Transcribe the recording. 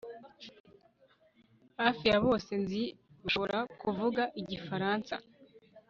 Hafi ya bose nzi bashobora kuvuga igifaransa